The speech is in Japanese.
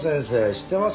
知ってます？